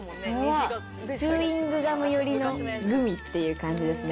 チューイングガム寄りのグミっていう感じですね。